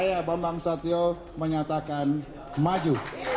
saya bambang susatyo menyatakan maju